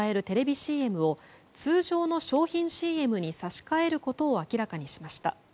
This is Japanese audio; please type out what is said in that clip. ＣＭを通常の商品ＣＭに差し替えることを明らかにしました。